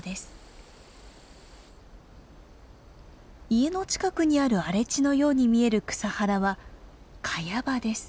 家の近くにある荒れ地のように見える草原はカヤ場です。